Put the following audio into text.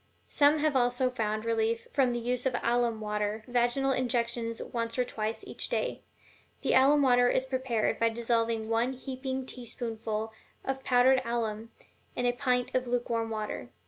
Some have also found relief from the use of alum water vaginal injections once or twice each day. The alum water is prepared by dissolving one heaping teaspoonful of powdered alum in a pint of lukewarm water.